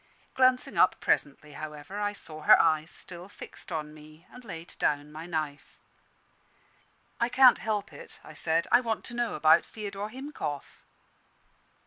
Glancing up presently, however, I saw her eyes still fixed on me, and laid down my knife. "I can't help it," I said, "I want to know about Feodor Himkoff."